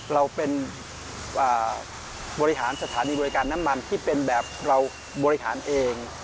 เราเป็นบริหารสถานีบริการน้ำมันที่เป็นแบบเราบริหารเอง